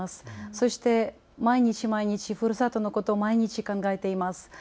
そして毎日、毎日ふるさとのことを毎日考えています。